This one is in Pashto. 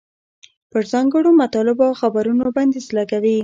پر ځانګړو مطالبو او خبرونو بندیز لګوي.